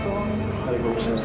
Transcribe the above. kamila terima kasih